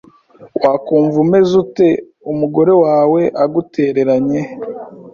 Wakumva umeze ute umugore wawe agutereranye?